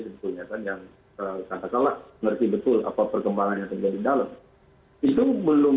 tentunya kan yang salah ngerti betul apa perkembangannya tinggal di dalam itu belum